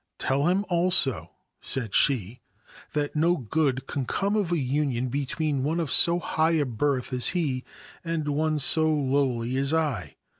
4 Tell him also/ said she, ' that no good could come of a union between one of so high a birth as he and one so lowly as I.